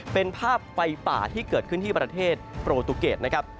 เป็นภาพไฟป่าที่เกิดขึ้นที่ประเทศโปรตุเกตนะครับ